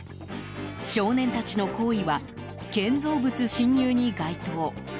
少年たちの行為は建造物侵入に該当。